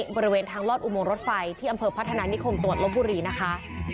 บริเวณทางลอดอุโมงรถไฟที่อำเภอพัฒนานิคมจังหวัดลบบุรีนะคะ